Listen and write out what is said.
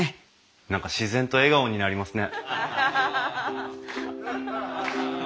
何か自然と笑顔になりますね。